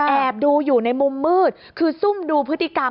แอบดูอยู่ในมุมมืดคือซุ่มดูพฤติกรรม